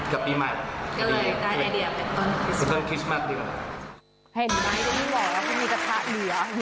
กับปีใหม่